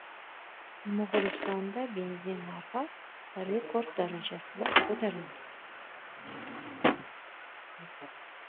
Mo‘g‘ulistonda benzin narxi rekord darajada ko‘tarildi